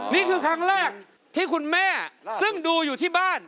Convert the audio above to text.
นี่คือครั้งแรกที่คุณแม่ซึ่งดูอยู่ที่บ้าน